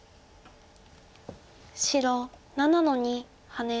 白７の二ハネ。